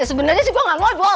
sebenarnya sih gue gak ngobrol